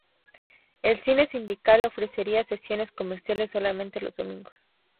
El Cine Sindical ofrecía sesiones comerciales solamente los domingos.